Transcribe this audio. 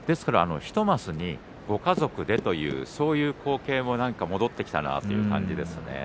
１升にご家族でという光景も戻ってきたなという感じです。